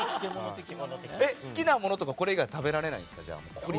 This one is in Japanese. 好きなものとかこれ以外食べられないんですか？